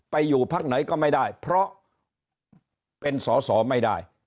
อยู่พักไหนก็ไม่ได้เพราะเป็นสอสอไม่ได้